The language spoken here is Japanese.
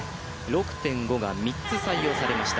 ６．５が３つ採用されました。